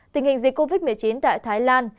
tình hình dịch covid một mươi chín tại thái lan